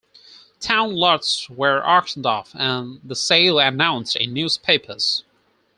Town lots were auctioned off, and the sale announced in newspapers.